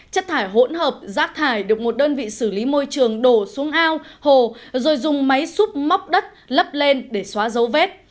chất thải hỗn hợp rác thải được một đơn vị xử lý môi trường đổ xuống ao hồ rồi dùng máy xúc móc đất lấp lên để xóa dấu vết